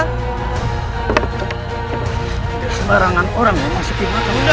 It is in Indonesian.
tidak sebarangan orang yang masih tiba ke bunda